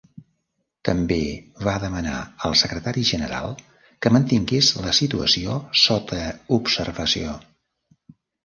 També va demanar al Secretari General que mantingués la situació sota observació.